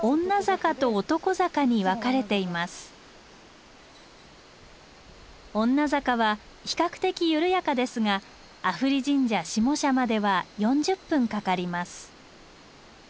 女坂は比較的緩やかですが阿夫利神社下社までは４０分かかります。